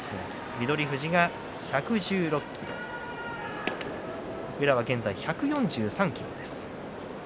翠富士、１１６ｋｇ宇良は現在１４３ｋｇです。